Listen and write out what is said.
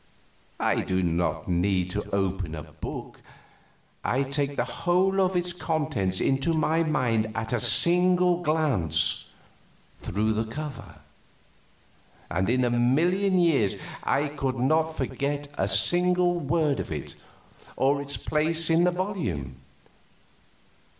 I do not need to open a book; I take the whole of its contents into my mind at a single glance, through the cover; and in a million years I could not forget a single word of it, or its place in the volume.